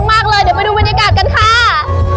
ตอนนี้นะคะเจ้าพ่อภวรได้ขึ้นส่งม้าแล้วนะคะ